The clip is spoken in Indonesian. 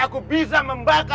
maka mungkin aku akan membukarkan